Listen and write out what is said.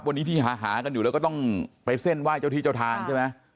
วันนี้ที่หากันอยู่แล้วก็ต้องไปเส้นไหว้เจ้าที่เจ้าทางใช่ไหม